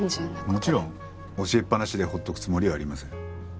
もちろん教えっぱなしで放っとくつもりはありません。